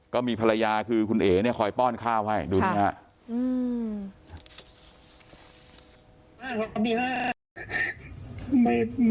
ก็มีภรรยาคือคุณเอ๋คอยป้อนข้าวให้ดูนี้นะฮะ